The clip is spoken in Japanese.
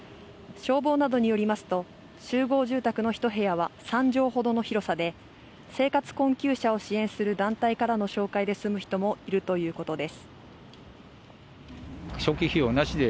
消防などによりますと、集合住宅の一部屋は３畳ほどの広さで、生活困窮者を支援する団体からの紹介で住む人もいるということです。